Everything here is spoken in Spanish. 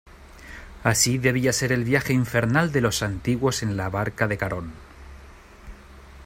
así debía ser el viaje infernal de los antiguos en la barca de Carón: